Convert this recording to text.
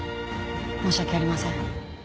申し訳ありません。